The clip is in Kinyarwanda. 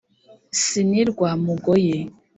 sinirwa m ugoyi